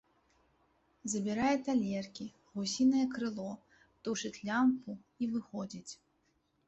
Забірае талеркі, гусінае крыло, тушыць лямпу і выходзіць.